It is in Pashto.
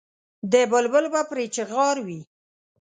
د بلبل به پرې چیغار وي.